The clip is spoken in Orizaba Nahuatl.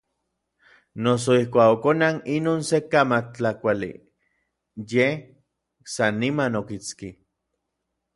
Noso ijkuak okonan inon se kamatl tlakuali, yej san niman okiski.